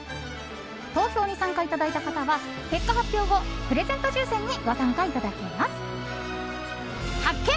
投票に参加いただいた方は結果発表後プレゼント抽選にご参加いただけます。発見！